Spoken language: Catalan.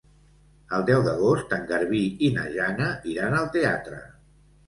El deu d'agost en Garbí i na Jana iran al teatre.